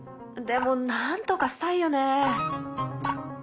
でもなんとかしたいよね。